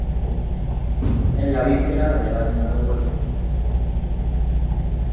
Es la víspera del año nuevo iraní.